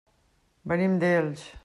Venim d'Elx.